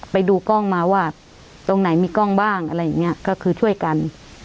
ไปดูกล้องมาว่าตรงไหนมีกล้องบ้างอะไรอย่างเงี้ยก็คือช่วยกัน